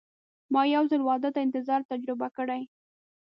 ما یو ځل واده ته انتظار تجربه کړی.